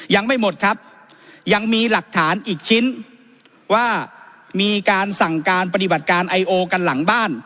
ยังไม่หมดครับยังมีหลักฐานอีกชิ้นว่ามีการสั่งการปฏิบัติการไอโอกันหลังบ้าน